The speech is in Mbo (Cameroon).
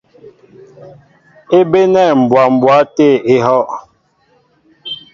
É bénɛ̂ mbwa mbwa tê ehɔ́’.